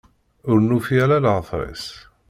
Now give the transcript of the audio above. Ur nufi ara later-is.